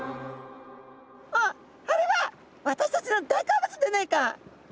「あっあれは私たちの大好物でねえか」。